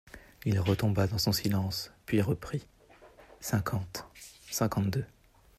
Il retomba dans son silence, puis reprit : cinquante-cinquante-deux.